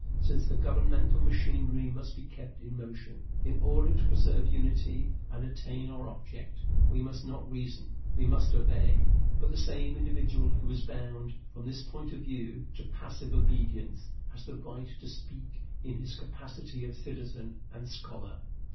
Since the governmental machinery must be kept in motion, in order to preserve unity and attain our object, we must not reason; we must obey. But the same individual who is bound, from this point of view, to passive obedience, has the right to speak in his capacity of citizen and scholar.